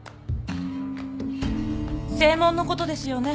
声紋のことですよね？